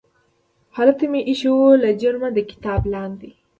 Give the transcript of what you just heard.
هلته مې ایښې یوه لجرمه د کتاب لاندې